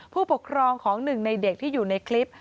ผู้ปกครองของหนึ่งในเด็กที่อยู่ในคลิป